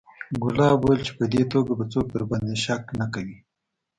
ګلاب وويل چې په دې توګه به څوک درباندې شک نه کوي.